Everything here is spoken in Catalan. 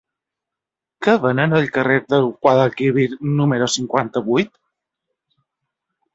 Què venen al carrer del Guadalquivir número cinquanta-vuit?